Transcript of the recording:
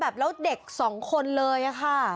แล้วเด็กสองคนเลยครับค่ะ